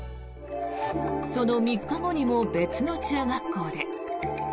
その３日後にも別の中学校で。